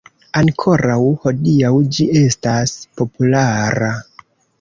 Ankoraŭ hodiaŭ ĝi estas populara.